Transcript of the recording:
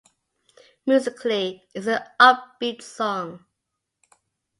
Musically, it's an upbeat song.